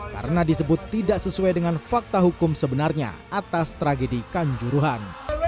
karena disebut tidak sesuai dengan fakta hukum sebenarnya atas tragedi kanjuruhan